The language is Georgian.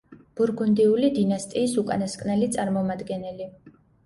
ბურგუნდიული დინასტიის უკანასკნელი წარმომადგენელი.